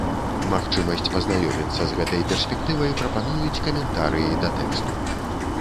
Магчымасць пазнаёміцца з гэтай перспектывай прапануюць каментарыі да тэксту.